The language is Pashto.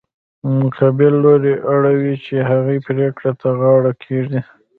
مقابل لوری اړ وي چې هغې پرېکړې ته غاړه کېږدي.